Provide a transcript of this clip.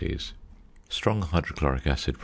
of strong hydrochloric acid.